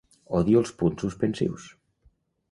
Odio els punts suspensius.